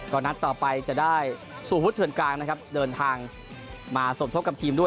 ก็นัดต่อไปจะได้สู่พุทธเถื่อนกลางนะครับเดินทางมาสมทบกับทีมด้วย